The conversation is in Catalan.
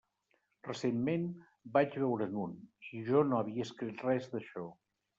Recentment, vaig veure'n un, i jo no havia escrit res d'això.